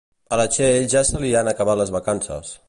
A la Txell ja se li han acabat les vacances